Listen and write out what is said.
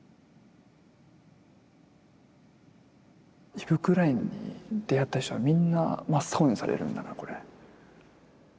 イヴ・クラインに出会った人はみんな真っ青にされるんだなこれ。